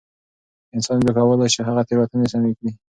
انسان بيا کولای شي هغه تېروتنې سمې کړي.